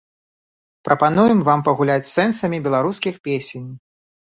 Прапануем вам пагуляць з сэнсамі беларускіх песень.